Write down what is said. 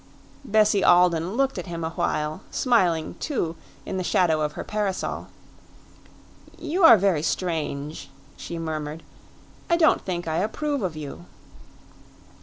Bessie Alden looked at him a while, smiling, too, in the shadow of her parasol. "You are very strange," she murmured. "I don't think I approve of you."